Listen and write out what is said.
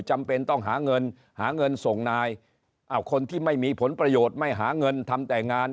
จำเป็นต้องหาเงินหาเงินส่งนายอ้าวคนที่ไม่มีผลประโยชน์ไม่หาเงินทำแต่งาน